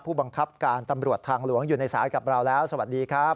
ผู้บังคับการตำรวจทางหลวงอยู่ในสายกับเราแล้วสวัสดีครับ